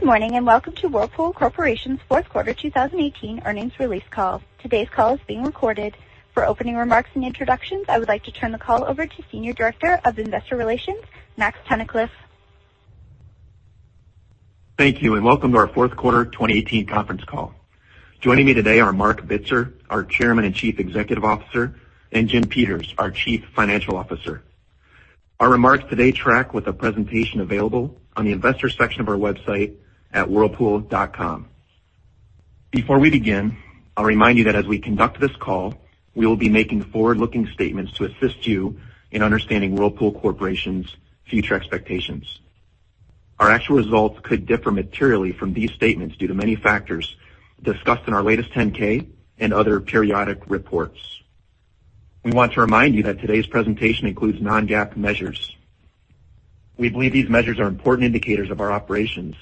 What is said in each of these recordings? Good morning and welcome to Whirlpool Corporation's fourth quarter 2018 earnings release call. Today's call is being recorded. For opening remarks and introductions, I would like to turn the call over to Senior Director of the Investor Relations, Max Tunnicliff. Thank you, welcome to our fourth quarter 2018 conference call. Joining me today are Marc Bitzer, our Chairman and Chief Executive Officer, and Jim Peters, our Chief Financial Officer. Our remarks today track with a presentation available on the investor section of our website at whirlpoolcorp.com. Before we begin, I'll remind you that as we conduct this call, we will be making forward-looking statements to assist you in understanding Whirlpool Corporation's future expectations. Our actual results could differ materially from these statements due to many factors discussed in our latest 10-K and other periodic reports. We want to remind you that today's presentation includes non-GAAP measures. We believe these measures are important indicators of our operations,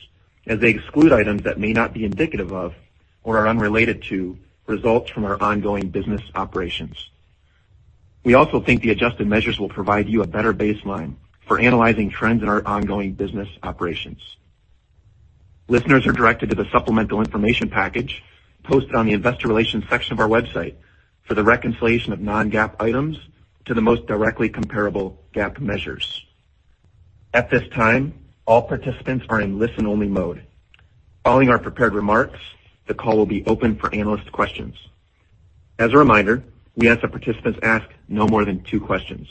as they exclude items that may not be indicative of or are unrelated to results from our ongoing business operations. We also think the adjusted measures will provide you a better baseline for analyzing trends in our ongoing business operations. Listeners are directed to the supplemental information package posted on the investor relations section of our website for the reconciliation of non-GAAP items to the most directly comparable GAAP measures. At this time, all participants are in listen-only mode. Following our prepared remarks, the call will be open for analyst questions. As a reminder, we ask that participants ask no more than two questions.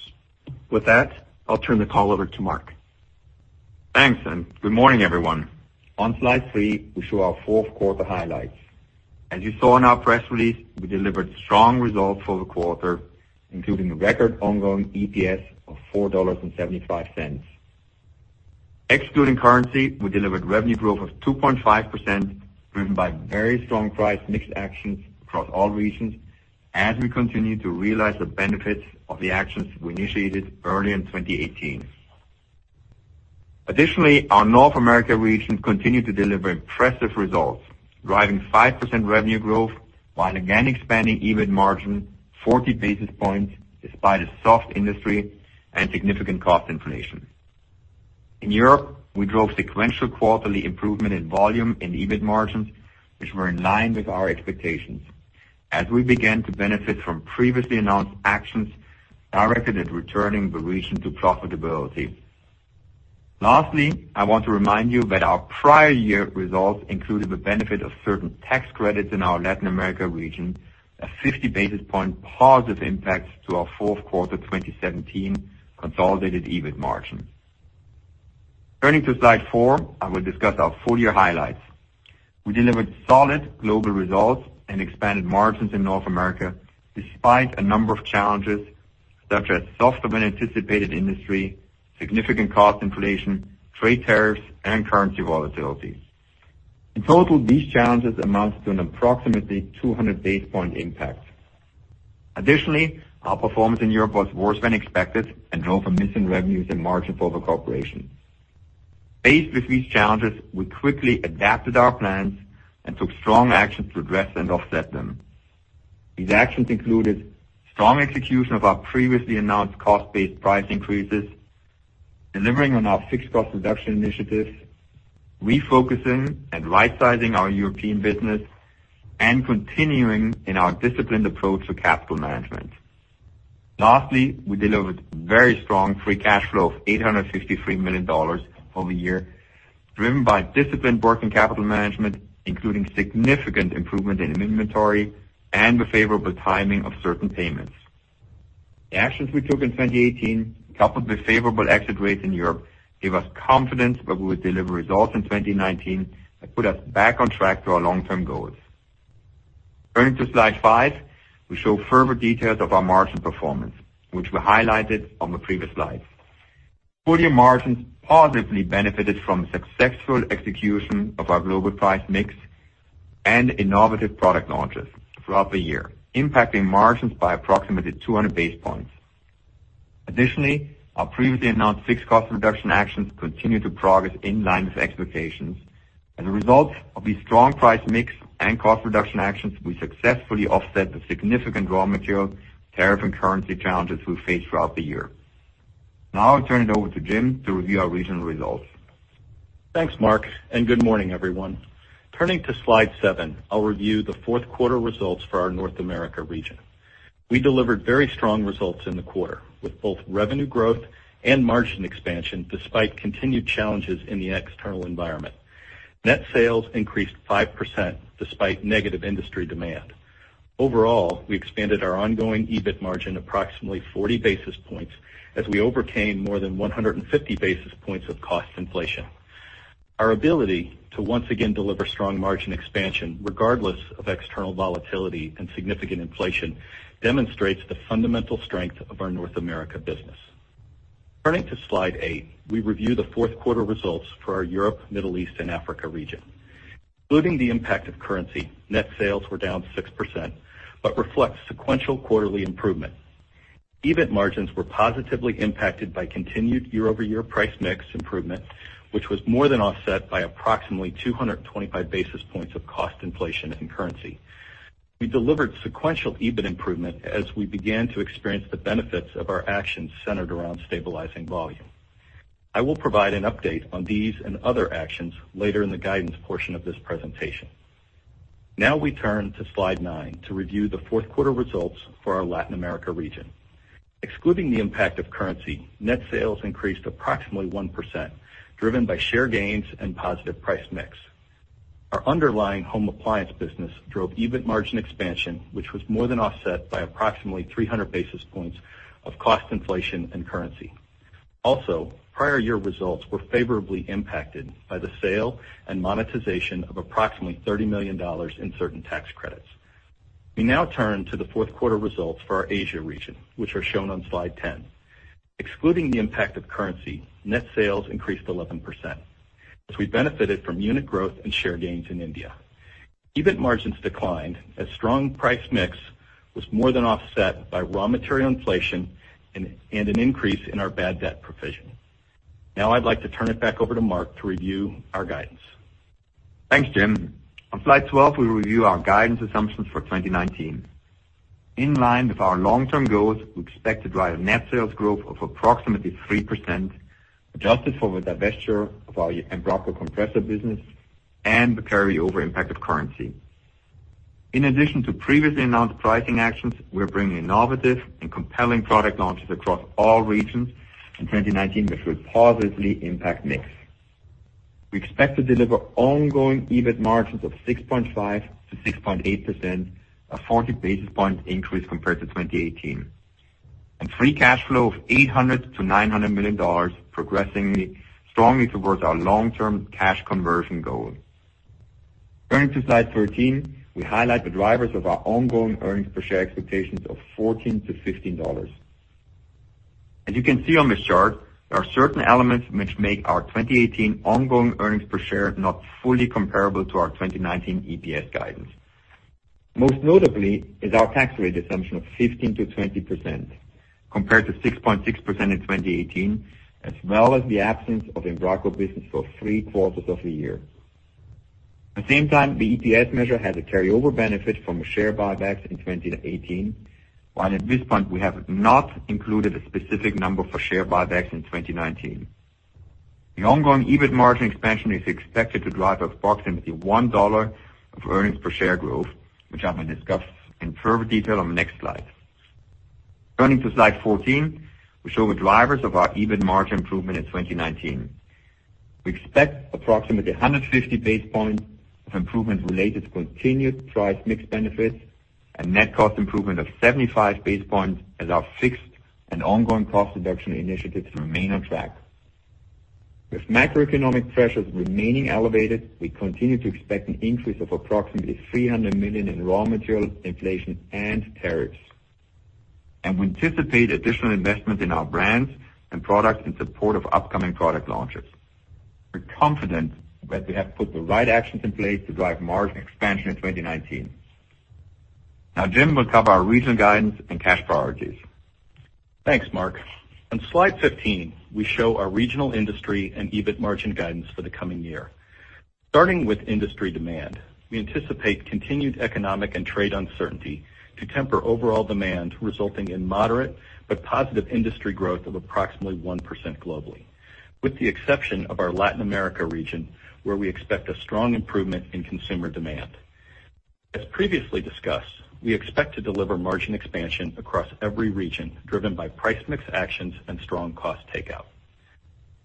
With that, I'll turn the call over to Marc. Thanks, good morning, everyone. On slide three, we show our fourth quarter highlights. As you saw in our press release, we delivered strong results for the quarter, including a record ongoing EPS of $4.75. Excluding currency, we delivered revenue growth of 2.5%, driven by very strong price mix actions across all regions, as we continue to realize the benefits of the actions we initiated early in 2018. Additionally, our North America region continued to deliver impressive results, driving 5% revenue growth while again expanding EBIT margin 40 basis points despite a soft industry and significant cost inflation. In Europe, we drove sequential quarterly improvement in volume and EBIT margins, which were in line with our expectations as we began to benefit from previously announced actions directed at returning the region to profitability. Lastly, I want to remind you that our prior year results included the benefit of certain tax credits in our Latin America region, a 50 basis point positive impact to our fourth quarter 2017 consolidated EBIT margin. Turning to slide four, I will discuss our full-year highlights. We delivered solid global results and expanded margins in North America despite a number of challenges such as softer than anticipated industry, significant cost inflation, trade tariffs, and currency volatility. In total, these challenges amount to an approximately 200 basis point impact. Additionally, our performance in Europe was worse than expected and drove missing revenues and margin for the Corporation. Faced with these challenges, we quickly adapted our plans and took strong action to address and offset them. These actions included strong execution of our previously announced cost-based price increases, delivering on our fixed cost reduction initiatives, refocusing and rightsizing our European business, and continuing in our disciplined approach to capital management. Lastly, we delivered very strong free cash flow of $853 million for the year, driven by disciplined working capital management, including significant improvement in inventory and the favorable timing of certain payments. The actions we took in 2018, coupled with favorable exit rates in Europe, give us confidence that we will deliver results in 2019 that put us back on track to our long-term goals. Turning to slide five, we show further details of our margin performance, which were highlighted on the previous slides. Full year margins positively benefited from successful execution of our global price mix and innovative product launches throughout the year, impacting margins by approximately 200 basis points. Additionally, our previously announced fixed cost reduction actions continue to progress in line with expectations. As a result of the strong price mix and cost reduction actions, we successfully offset the significant raw material, tariff, and currency challenges we faced throughout the year. Now I'll turn it over to Jim to review our regional results. Thanks, Marc, and good morning, everyone. Turning to slide seven, I'll review the fourth quarter results for our North America region. We delivered very strong results in the quarter, with both revenue growth and margin expansion, despite continued challenges in the external environment. Net sales increased 5% despite negative industry demand. Overall, we expanded our ongoing EBIT margin approximately 40 basis points as we overcame more than 150 basis points of cost inflation. Our ability to once again deliver strong margin expansion, regardless of external volatility and significant inflation, demonstrates the fundamental strength of our North America business. Turning to slide eight, we review the fourth quarter results for our Europe, Middle East, and Africa region. Including the impact of currency, net sales were down 6% but reflect sequential quarterly improvement. EBIT margins were positively impacted by continued year-over-year price mix improvement, which was more than offset by approximately 225 basis points of cost inflation in currency. We delivered sequential EBIT improvement as we began to experience the benefits of our actions centered around stabilizing volume. I will provide an update on these and other actions later in the guidance portion of this presentation. Now we turn to slide nine to review the fourth quarter results for our Latin America region. Excluding the impact of currency, net sales increased approximately 1%, driven by share gains and positive price mix. Our underlying home appliance business drove EBIT margin expansion, which was more than offset by approximately 300 basis points of cost inflation and currency. Also, prior year results were favorably impacted by the sale and monetization of approximately $30 million in certain tax credits. We now turn to the fourth quarter results for our Asia region, which are shown on slide 10. Excluding the impact of currency, net sales increased 11%, as we benefited from unit growth and share gains in India. EBIT margins declined as strong price mix was more than offset by raw material inflation and an increase in our bad debt provision. Now I'd like to turn it back over to Marc to review our guidance. Thanks, Jim. On slide 12, we review our guidance assumptions for 2019. In line with our long-term goals, we expect to drive net sales growth of approximately 3%, adjusted for the divesture of our Embraco compressor business and the carryover impact of currency. In addition to previously announced pricing actions, we are bringing innovative and compelling product launches across all regions in 2019, which will positively impact mix. We expect to deliver ongoing EBIT margins of 6.5%-6.8%, a 40 basis point increase compared to 2018, and free cash flow of $800 million-$900 million, progressively strongly towards our long-term cash conversion goal. Turning to slide 13, we highlight the drivers of our ongoing earnings per share expectations of $14-$15. As you can see on this chart, there are certain elements which make our 2018 ongoing earnings per share not fully comparable to our 2019 EPS guidance. Most notably is our tax rate assumption of 15%-20% compared to 6.6% in 2018, as well as the absence of Embraco business for three quarters of the year. At the same time, the EPS measure has a carryover benefit from share buybacks in 2018, while at this point we have not included a specific number for share buybacks in 2019. The ongoing EBIT margin expansion is expected to drive approximately $1 of earnings per share growth, which I'm going to discuss in further detail on the next slide. Turning to slide 14, we show the drivers of our EBIT margin improvement in 2019. We expect approximately 150 basis points of improvement related to continued price mix benefits and net cost improvement of 75 basis points as our fixed and ongoing cost reduction initiatives remain on track. With macroeconomic pressures remaining elevated, we continue to expect an increase of approximately $300 million in raw material inflation and tariffs. We anticipate additional investment in our brands and products in support of upcoming product launches. We're confident that we have put the right actions in place to drive margin expansion in 2019. Jim will cover our regional guidance and cash priorities. Thanks, Marc. On slide 15, we show our regional industry and EBIT margin guidance for the coming year. Starting with industry demand, we anticipate continued economic and trade uncertainty to temper overall demand, resulting in moderate but positive industry growth of approximately 1% globally, with the exception of our Latin America region, where we expect a strong improvement in consumer demand. As previously discussed, we expect to deliver margin expansion across every region, driven by price mix actions and strong cost takeout.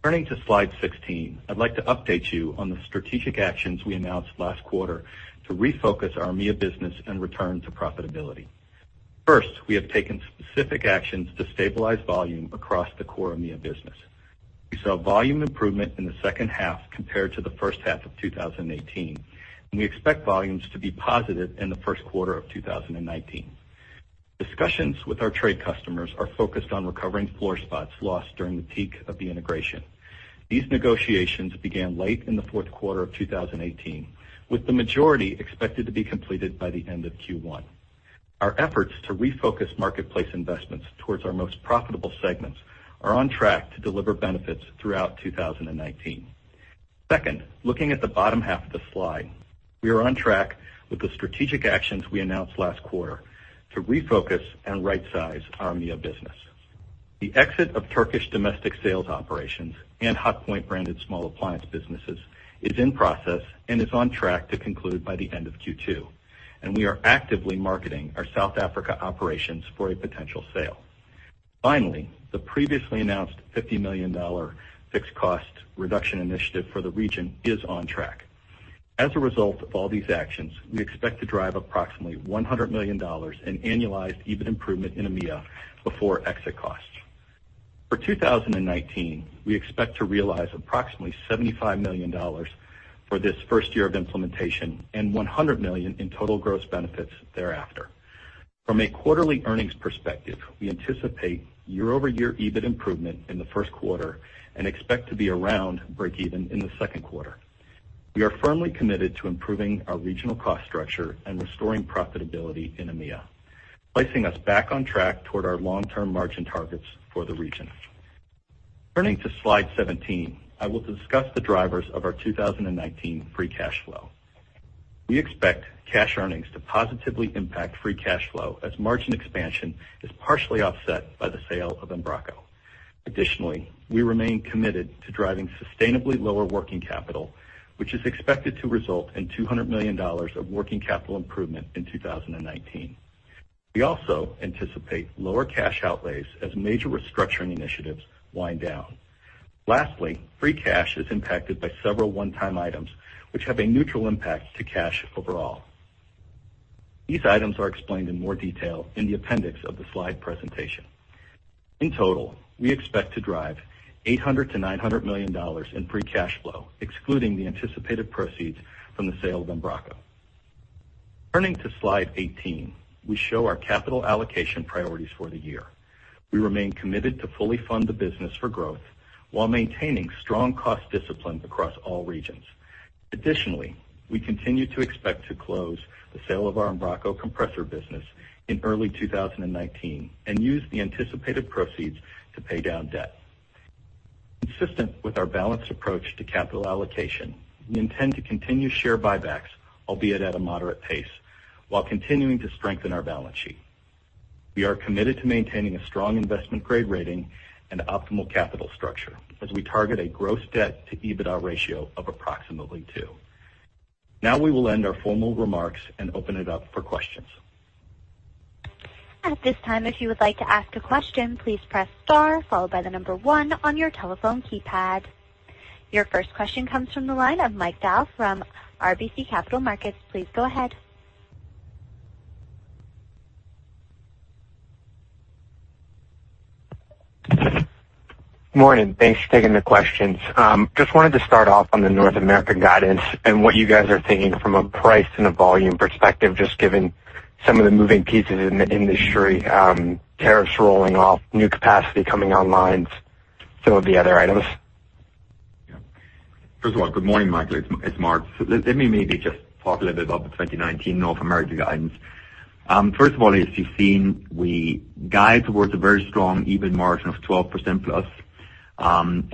Turning to slide 16, I'd like to update you on the strategic actions we announced last quarter to refocus our EMEA business and return to profitability. First, we have taken specific actions to stabilize volume across the core EMEA business. We saw volume improvement in the second half compared to the first half of 2018, and we expect volumes to be positive in the first quarter of 2019. Discussions with our trade customers are focused on recovering floor spots lost during the peak of the integration. These negotiations began late in the fourth quarter of 2018, with the majority expected to be completed by the end of Q1. Our efforts to refocus marketplace investments towards our most profitable segments are on track to deliver benefits throughout 2019. Second, looking at the bottom half of the slide, we are on track with the strategic actions we announced last quarter to refocus and rightsize our EMEA business. The exit of Turkish domestic sales operations and Hotpoint-branded small appliance businesses is in process and is on track to conclude by the end of Q2, and we are actively marketing our South Africa operations for a potential sale. Finally, the previously announced $50 million fixed cost reduction initiative for the region is on track. As a result of all these actions, we expect to drive approximately $100 million in annualized EBIT improvement in EMEA before exit costs. For 2019, we expect to realize approximately $75 million for this first year of implementation and $100 million in total gross benefits thereafter. From a quarterly earnings perspective, we anticipate year-over-year EBIT improvement in the first quarter and expect to be around breakeven in the second quarter. We are firmly committed to improving our regional cost structure and restoring profitability in EMEA, placing us back on track toward our long-term margin targets for the region. Turning to slide 17, I will discuss the drivers of our 2019 free cash flow. We expect cash earnings to positively impact free cash flow as margin expansion is partially offset by the sale of Embraco. Additionally, we remain committed to driving sustainably lower working capital, which is expected to result in $200 million of working capital improvement in 2019. We also anticipate lower cash outlays as major restructuring initiatives wind down. Lastly, free cash is impacted by several one-time items, which have a neutral impact to cash overall. These items are explained in more detail in the appendix of the slide presentation. In total, we expect to drive $800 million-$900 million in free cash flow, excluding the anticipated proceeds from the sale of Embraco. Turning to slide 18, we show our capital allocation priorities for the year. We remain committed to fully fund the business for growth while maintaining strong cost discipline across all regions. Additionally, we continue to expect to close the sale of our Embraco compressor business in early 2019 and use the anticipated proceeds to pay down debt. Consistent with our balanced approach to capital allocation, we intend to continue share buybacks, albeit at a moderate pace, while continuing to strengthen our balance sheet. We are committed to maintaining a strong investment grade rating and optimal capital structure as we target a gross debt to EBITDA ratio of approximately two. We will end our formal remarks and open it up for questions. At this time, if you would like to ask a question, please press star followed by the number one on your telephone keypad. Your first question comes from the line of Mike Dahl from RBC Capital Markets. Please go ahead. Morning. Thanks for taking the questions. Before the start off on the North America guidance and what you guys are thinking from a price and a volume perspective, just given some of the moving pieces in the industry, tariffs rolling off, new capacity coming online, some of the other items. Yeah. First of all, good morning, Michael. It's Marc. Let me maybe just talk a little bit about the 2019 North America guidance. First of all, as you've seen, we guide towards a very strong EBIT margin of 12%+,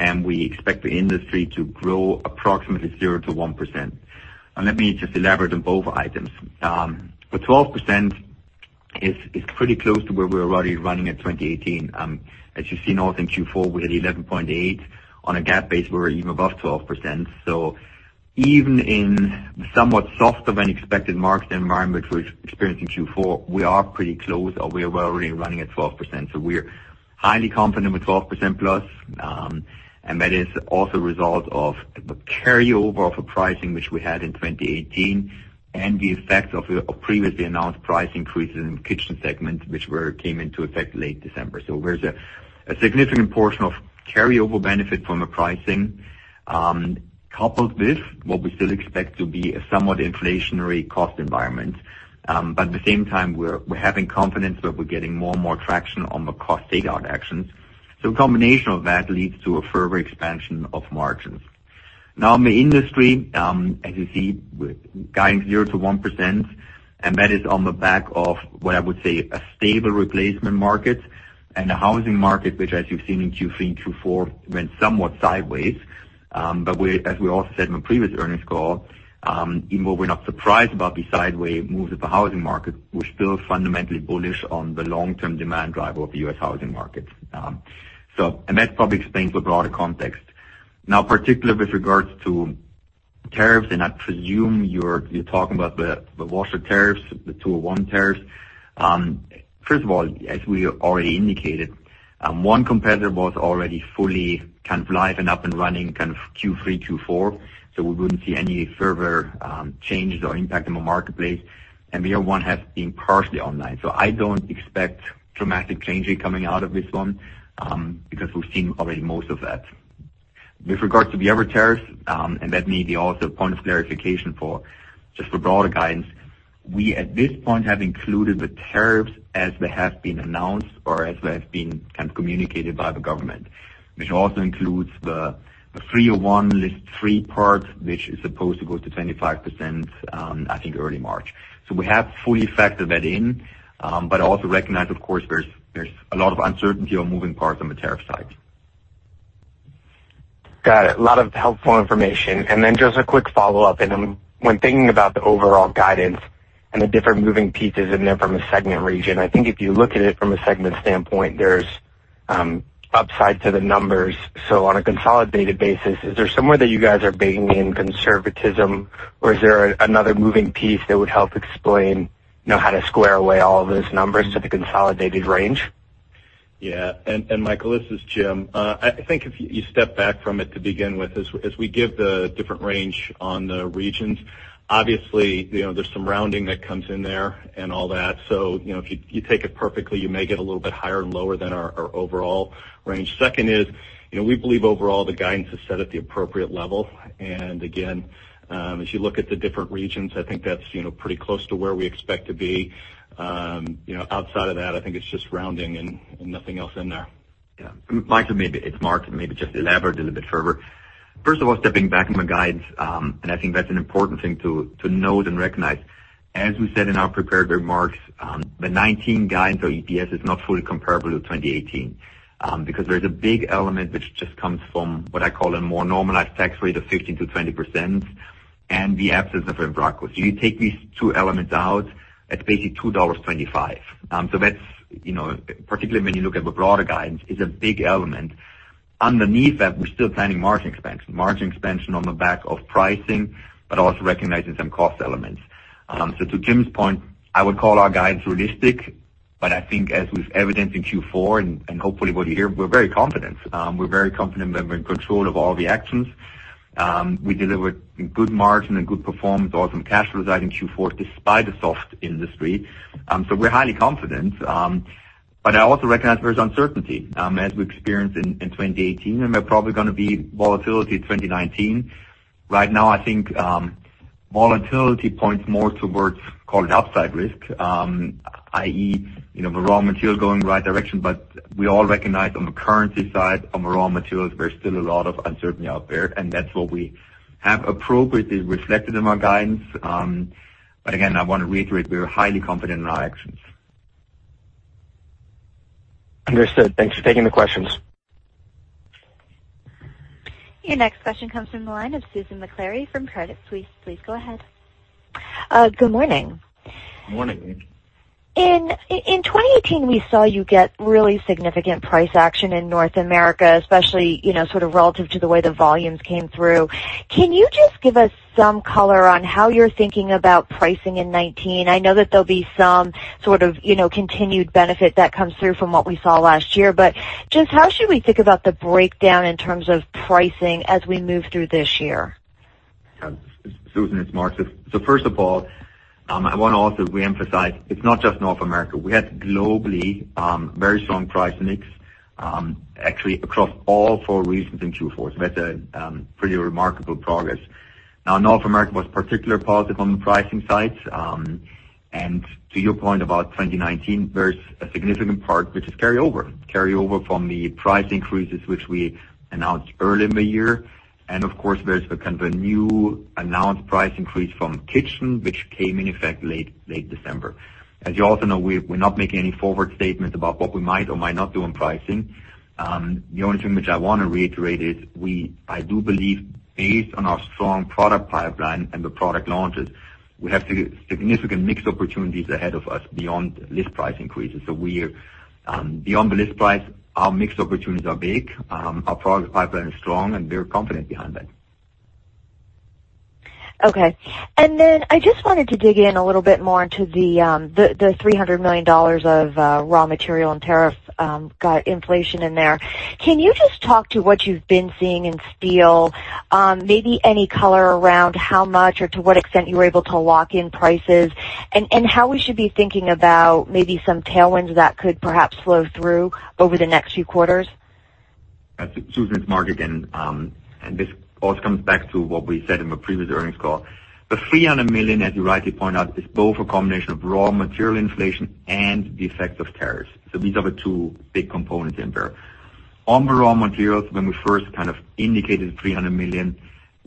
and we expect the industry to grow approximately 0%-1%. Let me just elaborate on both items. The 12% is pretty close to where we're already running at 2018. As you see, North in Q4, we're at 11.8%. On a GAAP base, we're even above 12%. Even in somewhat softer than expected market environment we're experiencing Q4, we are pretty close or we're already running at 12%. We're highly confident with 12%+, and that is also a result of the carryover of a pricing which we had in 2018 and the effect of previously announced price increases in kitchen segment which came into effect late December. There's a significant portion of carryover benefit from a pricing, coupled with what we still expect to be a somewhat inflationary cost environment. At the same time, we're having confidence that we're getting more and more traction on the cost takeout actions. A combination of that leads to a further expansion of margins. Now, in the industry, as you see, guiding 0%-1%, and that is on the back of what I would say a stable replacement market and a housing market, which as you've seen in Q3-Q4, went somewhat sideways. As we also said in the previous earnings call, even though we're not surprised about the sideway moves of the housing market, we're still fundamentally bullish on the long-term demand driver of the U.S. housing market. That probably explains the broader context. Now, particularly with regards to tariffs, and I presume you're talking about the washer tariffs, the 201 tariffs. First of all, as we already indicated, one competitor was already fully live and up and running Q3-Q4, we wouldn't see any further changes or impact in the marketplace. The other one has been partially online. I don't expect dramatic changes coming out of this one, because we've seen already most of that. With regards to the other tariffs, and that may be also a point of clarification for just the broader guidance. We, at this point, have included the tariffs as they have been announced or as they have been communicated by the government, which also includes the 301 list three part, which is supposed to go to 25% I think early March. We have fully factored that in. Also recognize, of course, there's a lot of uncertainty on moving parts on the tariff side. Got it. A lot of helpful information. Then just a quick follow-up. When thinking about the overall guidance and the different moving pieces in there from a segment region, I think if you look at it from a segment standpoint, there's upside to the numbers. On a consolidated basis, is there somewhere that you guys are baking in conservatism? Is there another moving piece that would help explain how to square away all of those numbers to the consolidated range? Yeah, Michael, this is Jim. I think if you step back from it to begin with, as we give the different range on the regions, obviously, there's some rounding that comes in there and all that. If you take it perfectly, you may get a little bit higher and lower than our overall range. Second is, we believe overall the guidance is set at the appropriate level. Again, as you look at the different regions, I think that's pretty close to where we expect to be. Outside of that, I think it's just rounding and nothing else in there. Michael, maybe. It's Marc. Maybe just elaborate a little bit further. First of all, stepping back from the guides. I think that's an important thing to note and recognize. As we said in our prepared remarks, the 2019 guidance or EPS is not fully comparable to 2018, because there's a big element which just comes from what I call a more normalized tax rate of 15%-20%, and the absence of Embraco. You take these two elements out at basically $2.25. That's, particularly when you look at the broader guidance, is a big element. Underneath that, we're still planning margin expansion. Margin expansion on the back of pricing, also recognizing some cost elements. To Jim's point, I would call our guidance realistic. I think as with evidence in Q4 and hopefully what you hear, we're very confident. We're very confident that we're in control of all the actions. We delivered good margin and good performance, awesome cash flow, I think, Q4, despite a soft industry. We're highly confident. I also recognize there's uncertainty. As we experienced in 2018, there probably going to be volatility in 2019. Right now, I think, volatility points more towards, call it upside risk, i.e., the raw material going the right direction but we all recognize on the currency side, on the raw materials, there's still a lot of uncertainty out there, and that's what we have appropriately reflected in our guidance. Again, I want to reiterate, we are highly confident in our actions. Understood. Thanks for taking the questions. Your next question comes from the line of Susan Maklari from Credit Suisse. Please go ahead. Good morning. Morning. In 2018, we saw you get really significant price action in North America, especially, sort of relative to the way the volumes came through. Can you just give us some color on how you're thinking about pricing in 2019? I know that there'll be some sort of continued benefit that comes through from what we saw last year. Just how should we think about the breakdown in terms of pricing as we move through this year? Susan, it's Marc. First of all, I want to also reemphasize, it's not just North America. We had globally, very strong price mix, actually across all four regions in Q4. That's a pretty remarkable progress. North America was particular positive on the pricing side. To your point about 2019, there's a significant part which is carryover. Carryover from the price increases, which we announced early in the year. Of course, there's the kind of a new announced price increase from Kitchen, which came in effect late December. You also know, we're not making any forward statements about what we might or might not do on pricing. The only thing which I want to reiterate is I do believe based on our strong product pipeline and the product launches, we have significant mix opportunities ahead of us beyond list price increases. Beyond the list price, our mix opportunities are big. Our product pipeline is strong, and we're confident behind that. Okay. I just wanted to dig in a little bit more into the $300 million of raw material and tariff got inflation in there. Can you just talk to what you've been seeing in steel? Maybe any color around how much or to what extent you were able to lock in prices, and how we should be thinking about maybe some tailwinds that could perhaps flow through over the next few quarters? Susan, it's Marc again. This all comes back to what we said in the previous earnings call. The $300 million, as you rightly point out, is both a combination of raw material inflation and the effect of tariffs. These are the two big components in there. On the raw materials, when we first kind of indicated $300 million,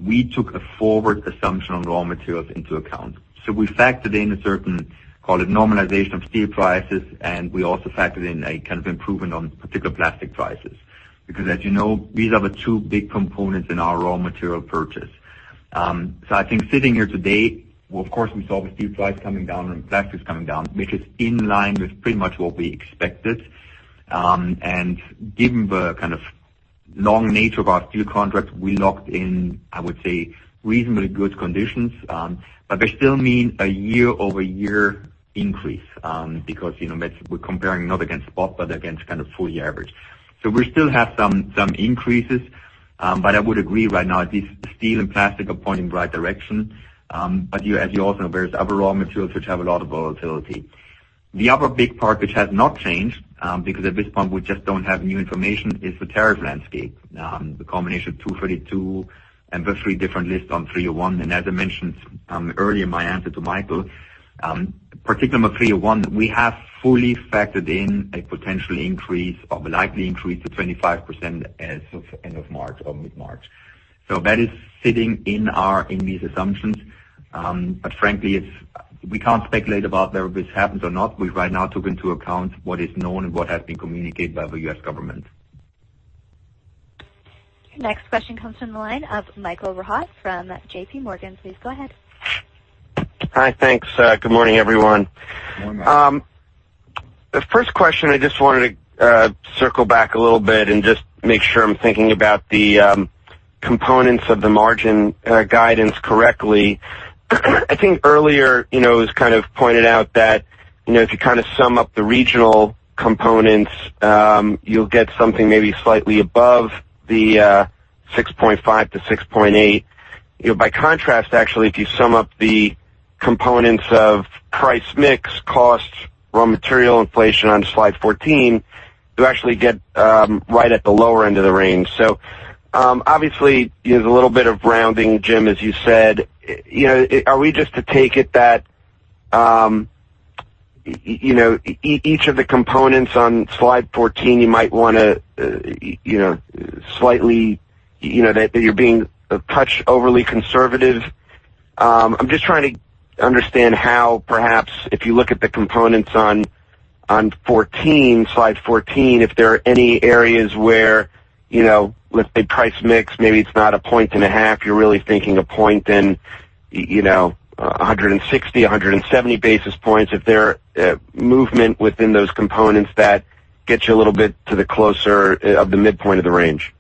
we took a forward assumption on raw materials into account. We factored in a certain, call it normalization of steel prices, and we also factored in a kind of improvement on particular plastic prices. As you know, these are the two big components in our raw material purchase. I think sitting here today, well, of course, we saw the steel price coming down and plastics coming down, which is in line with pretty much what we expected. Given the kind of long nature of our steel contract, we locked in, I would say, reasonably good conditions. They still mean a year-over-year increase, because we're comparing not against spot, but against kind of full year average. We still have some increases. I would agree right now, at least steel and plastic are pointing the right direction. As you also know, there's other raw materials which have a lot of volatility. The other big part which has not changed, because at this point we just don't have new information, is the tariff landscape. The combination of 232 and the three different lists on 301. As I mentioned earlier in my answer to Michael, particularly number 301, we have fully factored in a potential increase or the likely increase of 25% as of end of March or mid-March. That is sitting in these assumptions. Frankly, we can't speculate about whether this happens or not. We've right now took into account what is known and what has been communicated by the U.S. government. Next question comes from the line of Michael Rehaut from JPMorgan. Please go ahead. Hi. Thanks. Good morning, everyone. Morning. First question, I just wanted to circle back a little bit and just make sure I'm thinking about the components of the margin guidance correctly. I think earlier, it was kind of pointed out that if you kind of sum up the regional components, you'll get something maybe slightly above the 6.5%-6.8%. By contrast, actually, if you sum up the components of price mix, costs, raw material inflation on slide 14, you actually get right at the lower end of the range. Obviously, there's a little bit of rounding, Jim, as you said. Are we just to take it that each of the components on slide 14, you're being a touch overly conservative? I'm just trying to understand how, perhaps, if you look at the components on slide 14, if there are any areas where, let's say price mix, maybe it's not 1.5 points, you're really thinking 1 point, then 160, 170 basis points. If there are movement within those components that gets you a little bit to the closer of the midpoint of the range.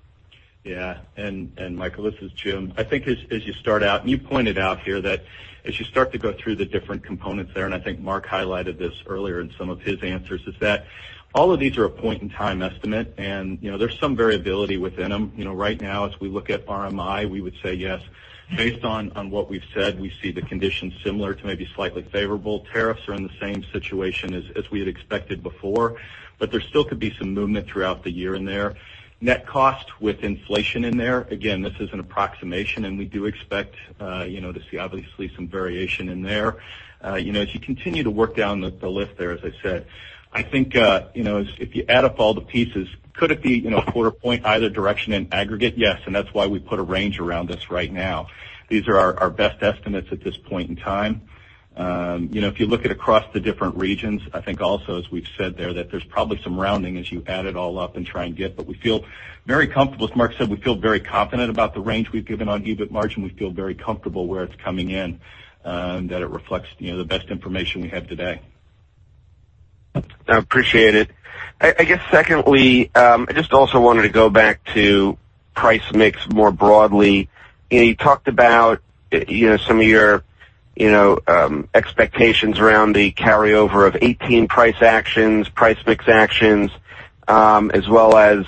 Yeah, and Michael, this is Jim. I think as you start out, you pointed out here that as you start to go through the different components there, I think Marc highlighted this earlier in some of his answers, is that all of these are a point-in-time estimate, and there's some variability within them. Right now, as we look at RMI, we would say yes. Based on what we've said, we see the conditions similar to maybe slightly favorable. Tariffs are in the same situation as we had expected before, there still could be some movement throughout the year in there. Net cost with inflation in there. Again, this is an approximation, we do expect to see, obviously, some variation in there. As you continue to work down the list there, as I said, I think if you add up all the pieces, could it be a 0.25 point either direction in aggregate? Yes, that's why we put a range around this right now. These are our best estimates at this point in time. If you look at across the different regions, I think also, as we've said there, that there's probably some rounding as you add it all up and try and get, as Marc said, we feel very confident about the range we've given on EBIT margin. We feel very comfortable where it's coming in, that it reflects the best information we have today. I appreciate it. I guess secondly, I just also wanted to go back to price mix more broadly. You talked about some of your expectations around the carryover of 2018 price actions, price mix actions, as well as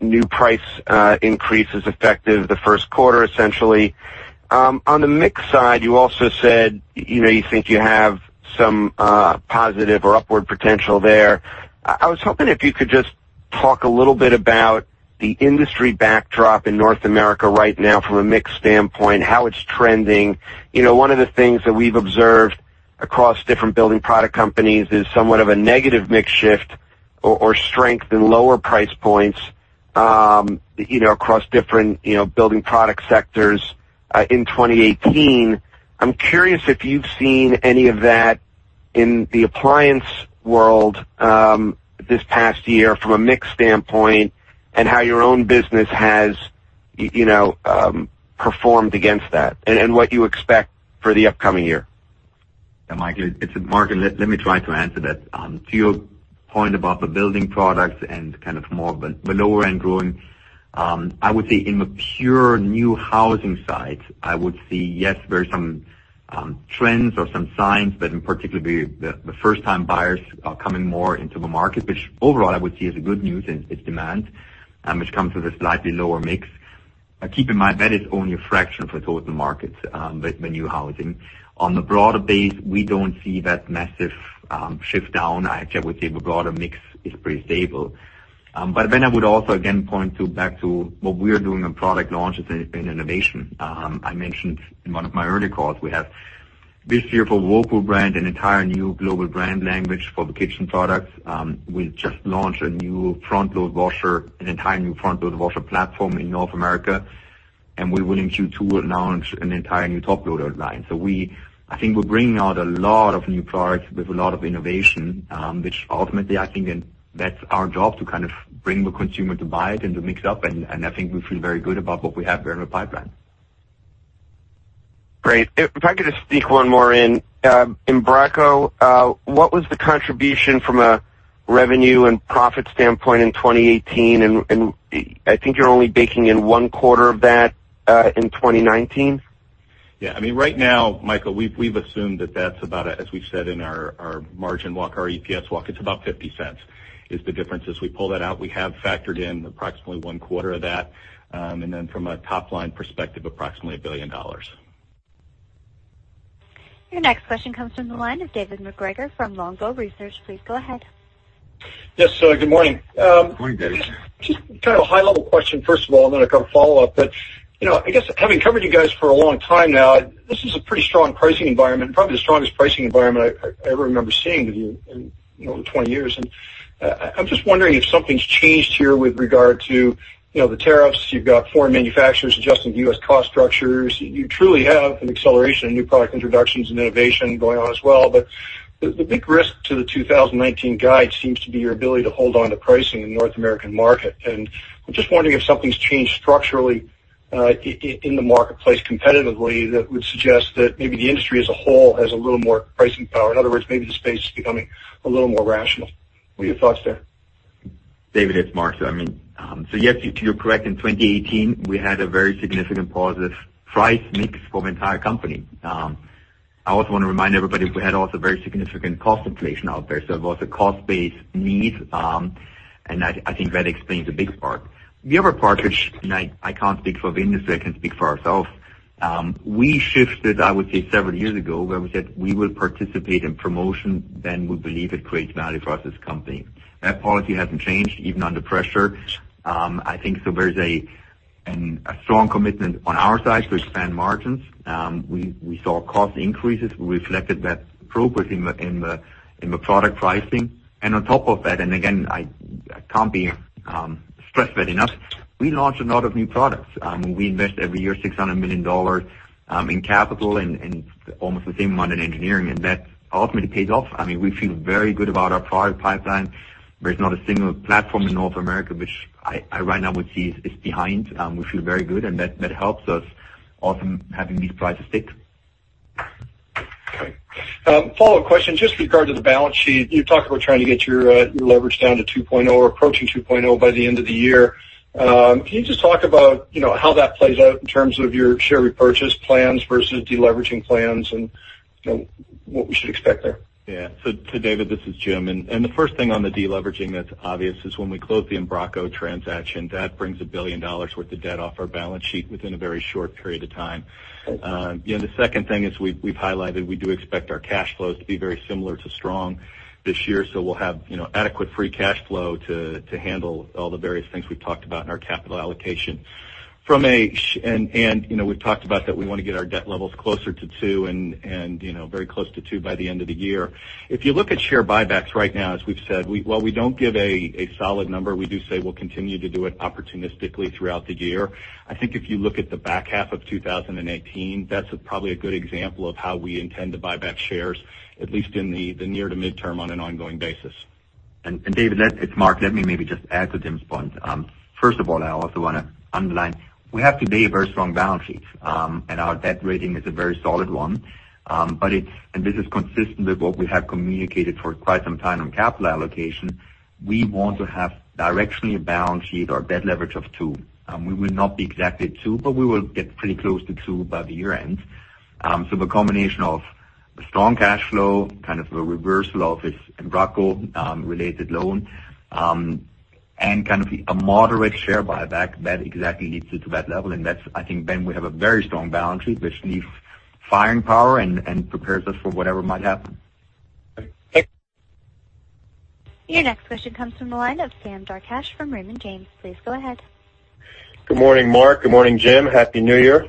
new price increases effective the first quarter, essentially. On the mix side, you also said you think you have some positive or upward potential there. I was hoping if you could just talk a little bit about the industry backdrop in North America right now from a mix standpoint, how it's trending. One of the things that we've observed across different building product companies is somewhat of a negative mix shift or strength in lower price points across different building product sectors in 2018. I'm curious if you've seen any of that in the appliance world this past year from a mix standpoint and how your own business has performed against that, and what you expect for the upcoming year. Yeah, Michael, it's Marc. Let me try to answer that. To your point about the building products and kind of more of the lower end growing, I would say in the pure new housing side, I would see, yes, there are some trends or some signs, but in particular, the first-time buyers are coming more into the market, which overall I would see as a good news in demand, which comes with a slightly lower mix. Keep in mind, that is only a fraction of the total market, the new housing. On the broader base, we don't see that massive shift down. Actually, I would say the broader mix is pretty stable. I would also, again, point back to what we are doing on product launches and innovation. I mentioned in one of my earlier calls, we have this year for Whirlpool brand, an entire new global brand language for the kitchen products. We just launched an entire new front load washer platform in North America, and we will, in Q2, announce an entire new top loader line. I think we're bringing out a lot of new products with a lot of innovation, which ultimately I think that's our job to kind of bring the consumer to buy it and to mix up, and I think we feel very good about what we have there in the pipeline. Great. If I could just sneak one more in. Embraco, what was the contribution from a revenue and profit standpoint in 2018? I think you're only baking in one quarter of that, in 2019. Right now, Michael, we've assumed that that's about, as we've said in our margin walk, our EPS walk, it's about $0.50 is the difference. As we pull that out, we have factored in approximately one quarter of that, and then from a top-line perspective, approximately $1 billion. Your next question comes from the line of David MacGregor from Longbow Research. Please go ahead. Good morning. Good morning, David. Just kind of a high-level question, first of all, and then a kind of follow-up. I guess having covered you guys for a long time now, this is a pretty strong pricing environment, probably the strongest pricing environment I ever remember seeing with you in over 20 years, and I'm just wondering if something's changed here with regard to the tariffs. You've got foreign manufacturers adjusting U.S. cost structures. You truly have an acceleration of new product introductions and innovation going on as well. The big risk to the 2019 guide seems to be your ability to hold on to pricing in the North American market. I'm just wondering if something's changed structurally in the marketplace competitively that would suggest that maybe the industry as a whole has a little more pricing power. In other words, maybe the space is becoming a little more rational. What are your thoughts there? David, it's Marc. Yes, you're correct. In 2018, we had a very significant positive price mix for the entire company. I also want to remind everybody we had also very significant cost inflation out there. It was a cost-based need, and I think that explains a big part. The other part, which I can't speak for the industry, I can speak for ourselves. We shifted, I would say, several years ago, where we said we will participate in promotion than we believe it creates value for us as a company. That policy hasn't changed, even under pressure. I think there's a strong commitment on our side to expand margins. We saw cost increases. We reflected that appropriately in the product pricing. On top of that, again, I can't stress that enough, we launched a lot of new products. We invest every year, $600 million in capital and almost the same amount in engineering, that ultimately pays off. We feel very good about our product pipeline. There's not a single platform in North America which I right now would see is behind. We feel very good, that helps us also having these prices stick. Okay. Follow-up question. Just with regard to the balance sheet, you talked about trying to get your leverage down to 2.0 or approaching 2.0 by the end of the year. Can you just talk about how that plays out in terms of your share repurchase plans versus de-leveraging plans and what we should expect there? Yeah. David, this is Jim. The first thing on the de-leveraging that's obvious is when we close the Embraco transaction, that brings $1 billion worth of debt off our balance sheet within a very short period of time. Right. The second thing is we've highlighted, we do expect our cash flows to be very similar to strong this year, we'll have adequate free cash flow to handle all the various things we've talked about in our capital allocation. We've talked about that we want to get our debt levels closer to two, and very close to two by the end of the year. If you look at share buybacks right now, as we've said, while we don't give a solid number, we do say we'll continue to do it opportunistically throughout the year. I think if you look at the back half of 2018, that's probably a good example of how we intend to buy back shares, at least in the near to midterm, on an ongoing basis. David, it's Marc. Let me maybe just add to Jim's point. First of all, I also want to underline, we have today a very strong balance sheet, and our debt rating is a very solid one. This is consistent with what we have communicated for quite some time on capital allocation. We want to have directionally a balance sheet or a debt leverage of two. We will not be exactly two, but we will get pretty close to two by the year-end. The combination of the strong cash flow, kind of a reversal of this Embraco-related loan, and kind of a moderate share buyback, that exactly leads it to that level. That's, I think, we have a very strong balance sheet, which leaves firing power and prepares us for whatever might happen. Okay. Your next question comes from the line of Sam Darkatsh from Raymond James. Please go ahead. Good morning, Marc. Good morning, Jim. Happy New Year.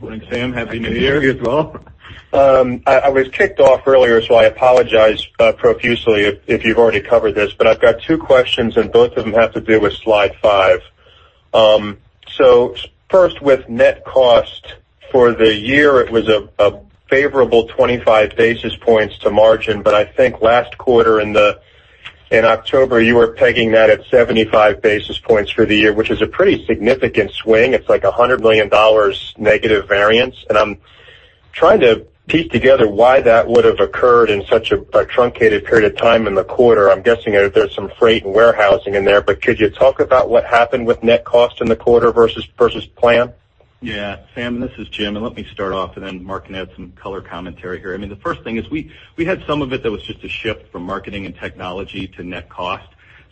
Morning, Sam. Happy New Year as well. I was kicked off earlier, so I apologize profusely if you've already covered this, but I've got two questions, both of them have to do with slide five. First, with net cost for the year, it was a favorable 25 basis points to margin, but I think last quarter in October, you were pegging that at 75 basis points for the year, which is a pretty significant swing. It's like $100 million negative variance. I am trying to piece together why that would have occurred in such a truncated period of time in the quarter. I am guessing there's some freight and warehousing in there, but could you talk about what happened with net cost in the quarter versus plan? Yeah. Sam, this is Jim. Let me start off, then Marc can add some color commentary here. The first thing is we had some of it that was just a shift from marketing and technology to net cost.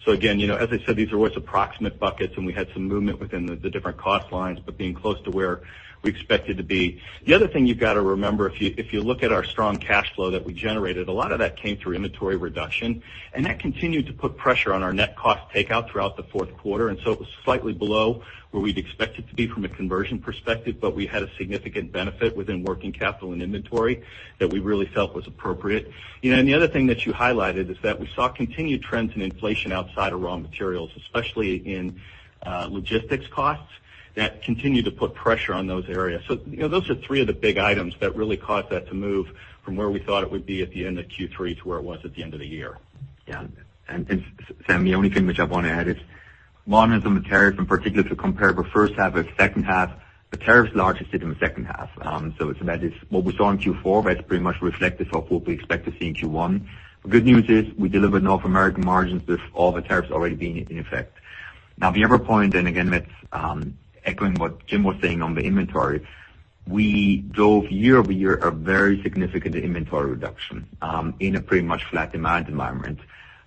Again, as I said, these are always approximate buckets. We had some movement within the different cost lines, but being close to where we expected to be. The other thing you've got to remember, if you look at our strong cash flow that we generated, a lot of that came through inventory reduction, that continued to put pressure on our net cost takeout throughout the fourth quarter. It was slightly below where we'd expect it to be from a conversion perspective, but we had a significant benefit within working capital and inventory that we really felt was appropriate. The other thing that you highlighted is that we saw continued trends in inflation outside of raw materials, especially in logistics costs, that continued to put pressure on those areas. Those are three of the big items that really caused that to move from where we thought it would be at the end of Q3 to where it was at the end of the year. Yeah. Sam, the only thing which I want to add is one is on the tariffs in particular to compare the first half with second half. The tariffs largely sit in the second half. What we saw in Q4, that's pretty much reflective of what we expect to see in Q1. The good news is we delivered North American margins with all the tariffs already being in effect. Now, the other point, again, that's echoing what Jim was saying on the inventory, we drove year-over-year a very significant inventory reduction in a pretty much flat demand environment.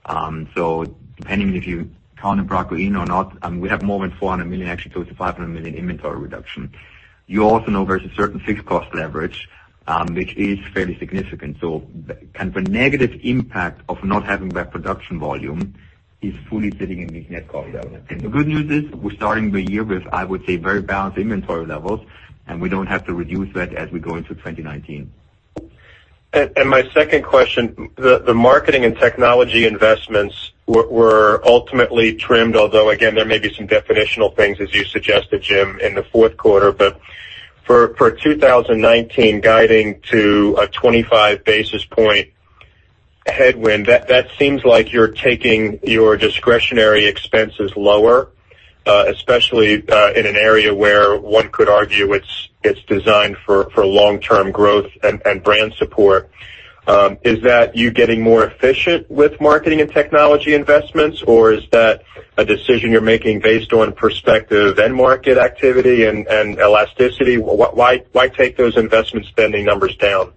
Depending on if you count Embraco in or not, we have more than $400 million, actually close to $500 million inventory reduction. You also know there's a certain fixed cost leverage, which is fairly significant. The negative impact of not having that production volume is fully sitting in the net cost element. The good news is we're starting the year with, I would say, very balanced inventory levels, and we don't have to reduce that as we go into 2019. My second question, the marketing and technology investments were ultimately trimmed, although, again, there may be some definitional things, as you suggested, Jim, in the fourth quarter. For 2019, guiding to a 25 basis point headwind, that seems like you're taking your discretionary expenses lower, especially in an area where one could argue it's designed for long-term growth and brand support. Is that you getting more efficient with marketing and technology investments, or is that a decision you're making based on perspective end market activity and elasticity? Why take those investment spending numbers down?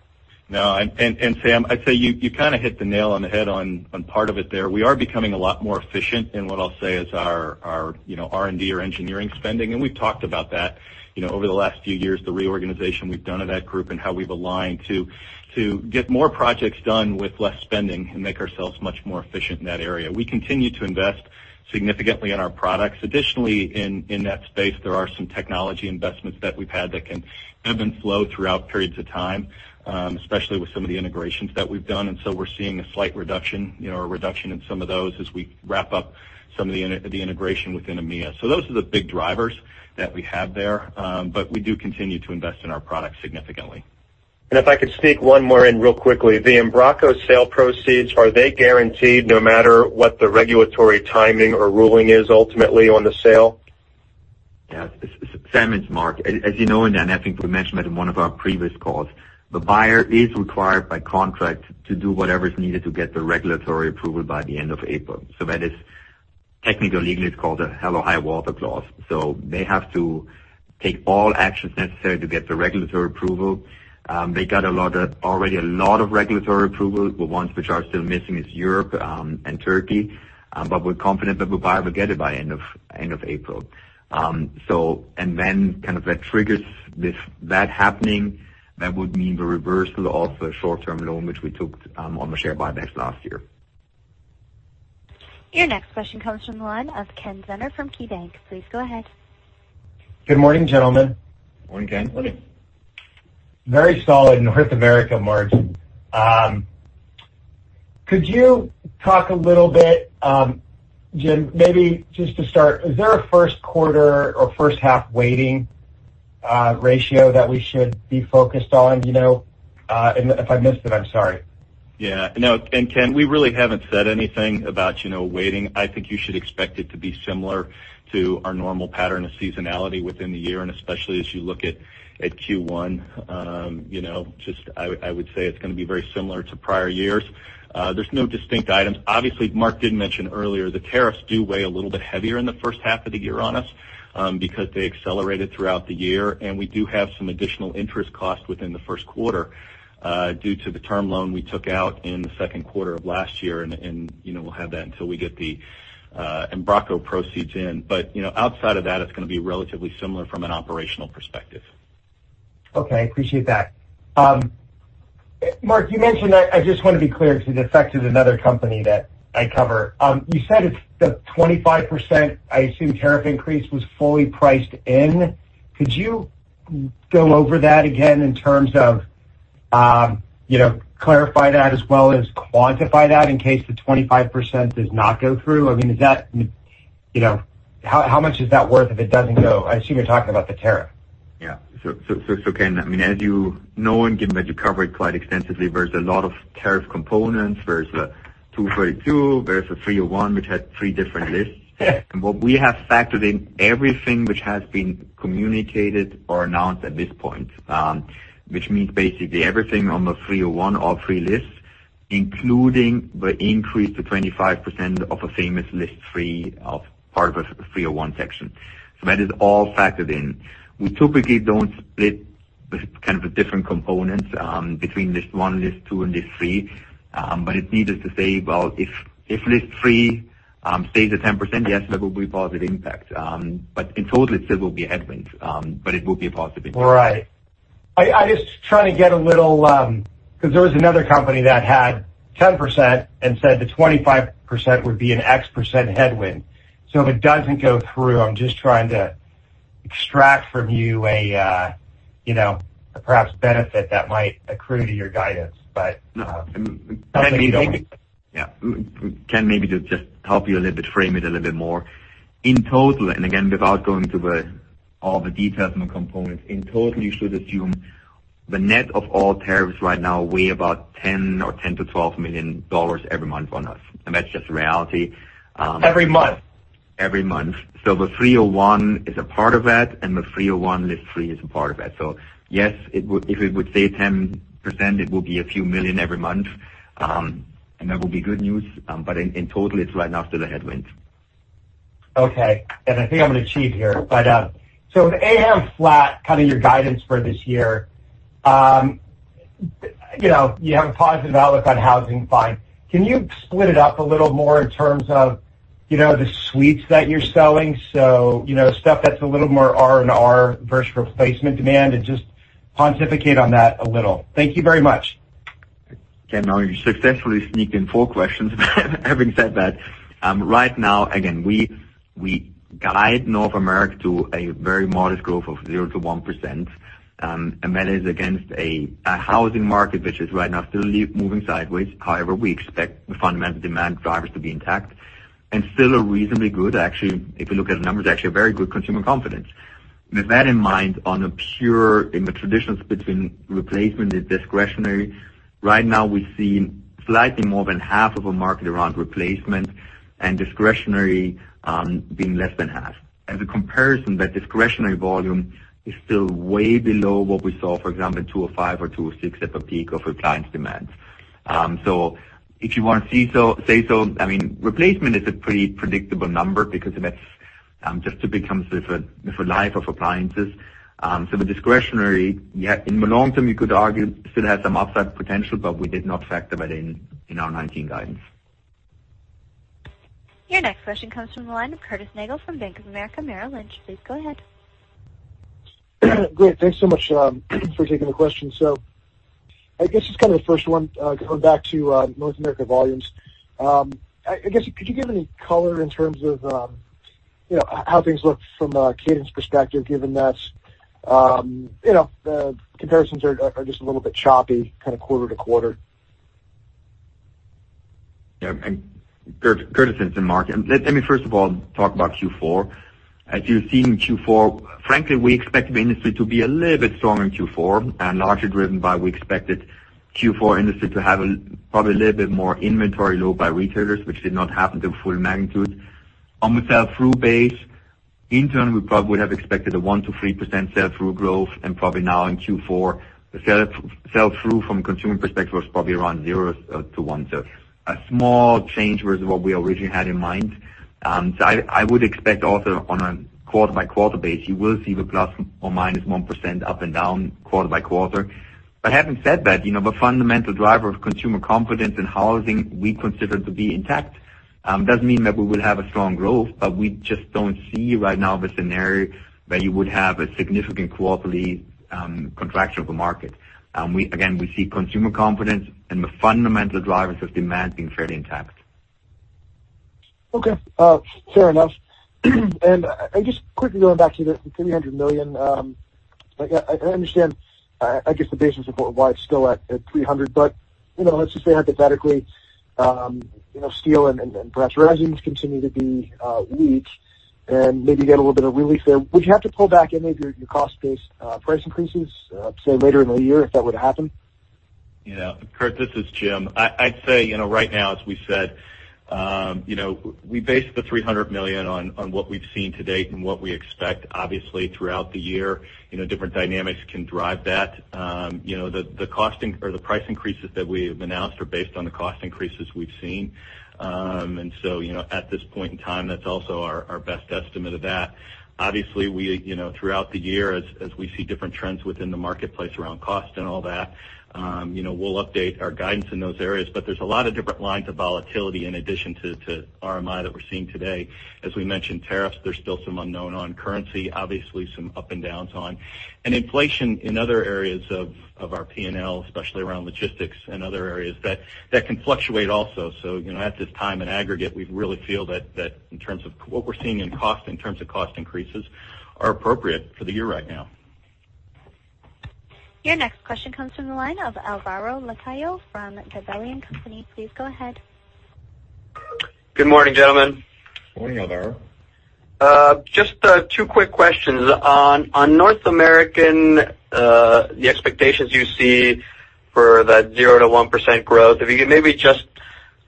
No, and Sam, I'd say you kind of hit the nail on the head on part of it there. We are becoming a lot more efficient in what I'll say is our R&D or engineering spending, and we've talked about that. Over the last few years, the reorganization we've done of that group and how we've aligned to get more projects done with less spending and make ourselves much more efficient in that area. We continue to invest significantly in our products. Additionally, in that space, there are some technology investments that we've had that can ebb and flow throughout periods of time, especially with some of the integrations that we've done. We're seeing a slight reduction in some of those as we wrap up some of the integration within EMEA. Those are the big drivers that we have there. We do continue to invest in our products significantly. If I could sneak one more in real quickly. The Embraco sale proceeds, are they guaranteed no matter what the regulatory timing or ruling is ultimately on the sale? Yes. Sam, it's Marc. As you know, and I think we mentioned that in one of our previous calls, the buyer is required by contract to do whatever's needed to get the regulatory approval by the end of April. That is technically, legally, it's called a hell or high water clause. They have to take all actions necessary to get the regulatory approval. They got already a lot of regulatory approval. The ones which are still missing is Europe and Turkey. We're confident that the buyer will get it by end of April. That triggers that happening. That would mean the reversal of the short-term loan, which we took on the share buybacks last year. Your next question comes from the line of Ken Zener from KeyBanc. Please go ahead. Good morning, gentlemen. Morning, Ken. Morning. Very solid North America margin. Could you talk a little bit, Jim, maybe just to start, is there a first quarter or first half waiting ratio that we should be focused on? If I missed it, I'm sorry. Yeah. No. Ken, we really haven't said anything about waiting. I think you should expect it to be similar to our normal pattern of seasonality within the year, and especially as you look at Q1. I would say it's going to be very similar to prior years. There's no distinct items. Obviously, Marc did mention earlier, the tariffs do weigh a little bit heavier in the first half of the year on us, because they accelerated throughout the year. We do have some additional interest costs within the first quarter, due to the term loan we took out in the second quarter of last year, and we'll have that until we get the Embraco proceeds in, but you know, outside of that, it's going to be relatively similar from an operational perspective. Okay. Appreciate that. Marc, you mentioned, I just want to be clear because it affects another company that I cover. You said the 25%, I assume, tariff increase was fully priced in. Could you go over that again in terms of clarify that as well as quantify that in case the 25% does not go through? I mean, how much is that worth if it doesn't go? I assume you're talking about the tariff. Yeah. Ken, as you know, and given that you cover it quite extensively, there's a lot of tariff components. There's a Section 232, there's a Section 301, which had three different lists. Yeah. What we have factored in everything which has been communicated or announced at this point, which means basically everything on the Section 301 or three lists, including the increase to 25% of a famous list three of part of a Section 301. That is all factored in. We typically don't split the different components, between list one, list two, and list three. It's needless to say, well, if list three stays at 10%, yes, there will be a positive impact. In total, it still will be a headwind, but it will be a positive impact. Right. I'm just trying to get a little because there was another company that had 10% and said the 25% would be an x% headwind. If it doesn't go through, I'm just trying to extract from you a perhaps benefit that might accrue to your guidance. No. Ken, maybe just help you a little bit, frame it a little bit more. In total, and again, without going to all the details and the components, in total, you should assume the net of all tariffs right now weigh about $10 million or $10 million-$12 million every month on us. That's just reality. Every month? Every month. The 301 is a part of that, and the 301 list three is a part of that. Yes, if it would save 10%, it will be a few million every month, and that will be good news. In total, it's right now still a headwind. Okay. I think I'm going to cheat here, with AHAM flat, kind of your guidance for this year. You have a positive outlook on housing, fine. Can you split it up a little more in terms of the suites that you're selling? Stuff that's a little more R&R versus replacement demand and just pontificate on that a little. Thank you very much. Ken, now you successfully sneaked in four questions. Having said that, right now, again, we guide North America to a very modest growth of zero to 1%, and that is against a housing market which is right now still moving sideways. However, we expect the fundamental demand drivers to be intact and still a reasonably good, actually, if you look at the numbers, actually a very good consumer confidence. With that in mind, on a pure, in the traditions between replacement and discretionary, right now we see slightly more than half of a market around replacement and discretionary being less than half. As a comparison, that discretionary volume is still way below what we saw, for example, in 2005 or 2006 at the peak of appliance demands. If you want to say so, replacement is a pretty predictable number because that's just to become the life of appliances. The discretionary, in the long term, you could argue still has some upside potential, but we did not factor that in in our 2019 guidance. Your next question comes from the line of Curtis Nagle from Bank of America Merrill Lynch. Please go ahead. Great. Thanks so much for taking the question. I guess just kind of the first one, going back to North America volumes. I guess, could you give any color in terms of how things look from a cadence perspective, given that the comparisons are just a little bit choppy kind of quarter-to-quarter? Curtis, this is Marc. Let me first of all talk about Q4. As you've seen in Q4, frankly, we expected the industry to be a little bit strong in Q4 and largely driven by, we expected Q4 industry to have probably a little bit more inventory low by retailers, which did not happen to the full magnitude. On the sell-through base, in turn, we probably would have expected a 1%-3% sell-through growth, and probably now in Q4, the sell-through from consumer perspective was probably around 0%-1%. A small change versus what we originally had in mind. I would expect also on a quarter-by-quarter base, you will see the ±1% up and down quarter-by-quarter. Having said that, the fundamental driver of consumer confidence in housing we consider to be intact. Doesn't mean that we will have a strong growth, we just don't see right now the scenario where you would have a significant quarterly contraction of the market. Again, we see consumer confidence and the fundamental drivers of demand being fairly intact. Okay. Fair enough. Just quickly going back to the $300 million. I understand, I guess, the basis of why it's still at $300 million, but let's just say hypothetically, steel and perhaps resins continue to be weak and maybe get a little bit of relief there. Would you have to pull back any of your cost-based price increases, say, later in the year if that were to happen? Yeah. Curtis, this is Jim. I'd say, right now, as we said, we based the $300 million on what we've seen to date and what we expect. Obviously, throughout the year, different dynamics can drive that. The price increases that we have announced are based on the cost increases we've seen. So, at this point in time, that's also our best estimate of that. Obviously, throughout the year, as we see different trends within the marketplace around cost and all that, we'll update our guidance in those areas. There's a lot of different lines of volatility in addition to RMI that we're seeing today. As we mentioned, tariffs, there's still some unknown on currency, obviously some up and downs on. Inflation in other areas of our P&L, especially around logistics and other areas, that can fluctuate also. At this time, in aggregate, we really feel that in terms of what we're seeing in terms of cost increases are appropriate for the year right now. Your next question comes from the line of Alvaro Lacayo from Gabelli. Please go ahead. Good morning, gentlemen. Morning, Alvaro. Just two quick questions. On North American, the expectations you see for that 0%-1% growth, if you could maybe just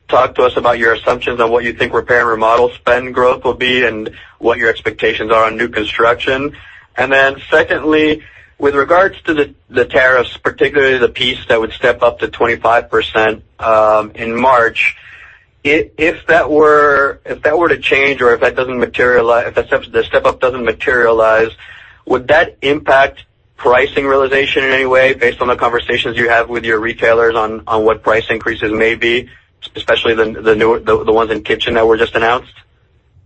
talk to us about your assumptions on what you think repair and remodel spend growth will be and what your expectations are on new construction. Secondly, with regards to the tariffs, particularly the piece that would step up to 25% in March, if that were to change or if the step up doesn't materialize, would that impact pricing realization in any way based on the conversations you have with your retailers on what price increases may be, especially the ones in kitchen that were just announced?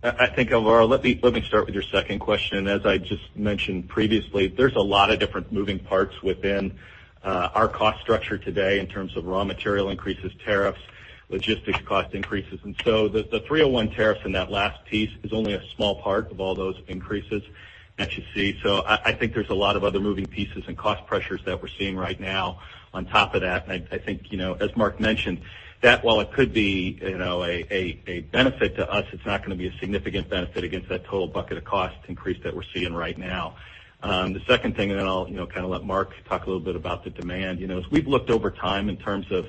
I think, Alvaro, let me start with your second question. As I just mentioned previously, there's a lot of different moving parts within our cost structure today in terms of raw material increases, tariffs, logistics cost increases. The 301 tariffs in that last piece is only a small part of all those increases that you see. I think there's a lot of other moving pieces and cost pressures that we're seeing right now on top of that. I think, as Marc mentioned, that while it could be a benefit to us, it's not going to be a significant benefit against that total bucket of cost increase that we're seeing right now. The second thing, then I'll let Marc talk a little bit about the demand. As we've looked over time in terms of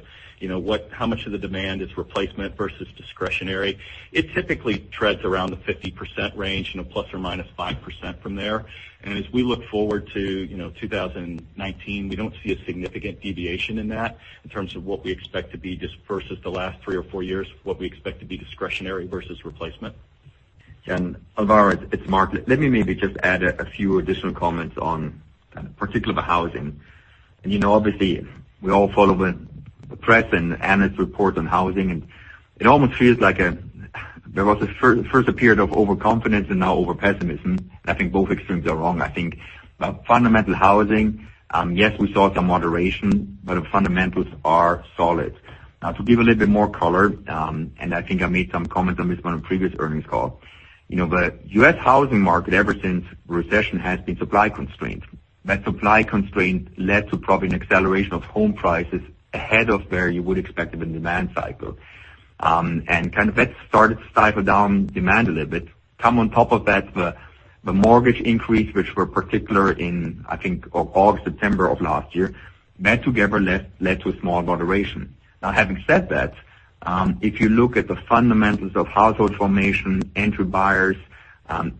how much of the demand is replacement versus discretionary, it typically treads around the 50% range and a ±5% from there. As we look forward to 2019, we don't see a significant deviation in that in terms of what we expect to be dispersed as the last three or four years, what we expect to be discretionary versus replacement. Alvaro, it's Marc. Let me maybe just add a few additional comments on particularly the housing. You know, obviously, we all follow the press and analyst reports on housing, and it almost feels like there was first a period of overconfidence and now over-pessimism. I think both extremes are wrong. I think fundamental housing, yes, we saw some moderation, but the fundamentals are solid. To give a little bit more color, I think I made some comments on this on a previous earnings call. The U.S. housing market, ever since recession, has been supply constrained. That supply constraint led to probably an acceleration of home prices ahead of where you would expect of a demand cycle. That started to stifle down demand a little bit. Come on top of that, the mortgage increase, which were particular in, I think, August, September of last year, that together led to a small moderation. Having said that, if you look at the fundamentals of household formation, entry buyers,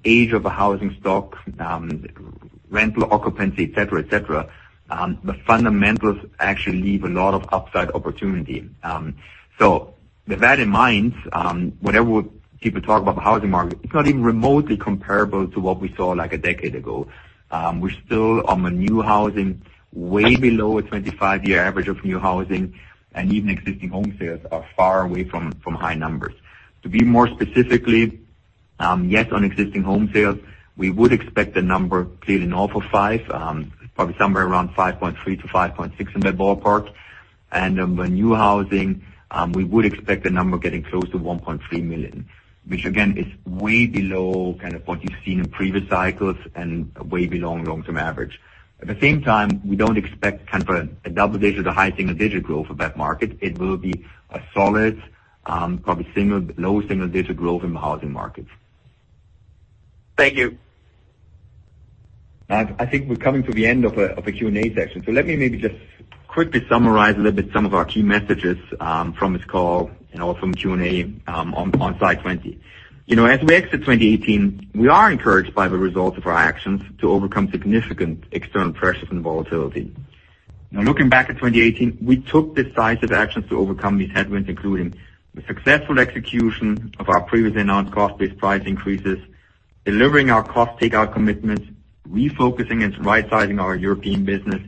age of a housing stock, rental occupancy, et cetera. The fundamentals actually leave a lot of upside opportunity. With that in mind, whenever people talk about the housing market, it's not even remotely comparable to what we saw a decade ago. We're still on the new housing, way below a 25-year average of new housing, and even existing home sales are far away from high numbers. To be more specific. Yes, on existing home sales, we would expect the number clearly north of five, probably somewhere around 5.3-5.6 in that ballpark. On the new housing, we would expect the number getting close to 1.3 million, which again, is way below what you've seen in previous cycles and way below long-term average. At the same time, we don't expect a double-digit or high single-digit growth for that market. It will be a solid, probably low single-digit growth in the housing market. Thank you. I think we're coming to the end of the Q&A section. Let me maybe just quickly summarize a little bit some of our key messages from this call and also from Q&A on Slide 20. As we exit 2018, we are encouraged by the results of our actions to overcome significant external pressure from the volatility. Looking back at 2018, we took decisive actions to overcome these headwinds, including the successful execution of our previously announced cost-based price increases, delivering our cost takeout commitments, refocusing and rightsizing our European business,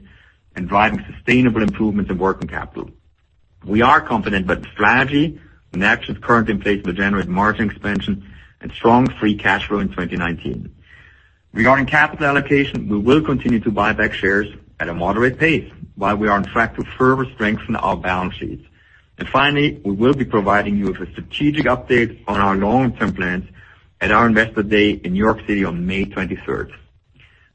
and driving sustainable improvements in working capital. We are confident that the strategy and actions currently in place will generate margin expansion and strong free cash flow in 2019. Regarding capital allocation, we will continue to buy back shares at a moderate pace while we are on track to further strengthen our balance sheet. Finally, we will be providing you with a strategic update on our long-term plans at our Investor Day in New York City on May 23rd.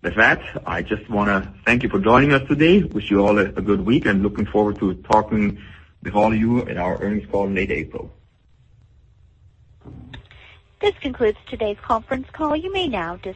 With that, I just want to thank you for joining us today. Wish you all a good week and looking forward to talking with all of you in our earnings call in late April. This concludes today's conference call. You may now di-